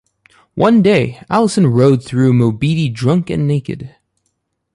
One day, Allison rode through Mobeetie drunk and naked.